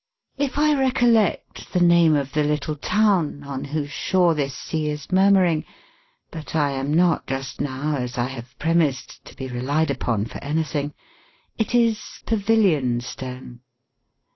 If I recollect the name of the little town, on whose shore this sea is murmuring—but I am not just now, as I have premised, to be relied upon for anything—it is Pavilionstone.